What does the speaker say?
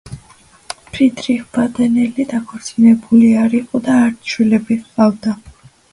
ფრიდრიხ ბადენელი დაქორწინებული არ იყო და არც შვილები ჰყავდა.